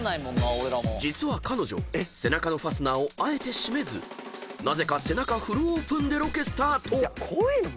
［実は彼女背中のファスナーをあえて閉めずなぜか背中フルオープンでロケスタート］